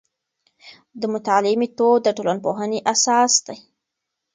د مطالعې میتود د ټولنپوهنې اساس دی.